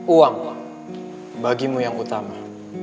uang bagimu yang utama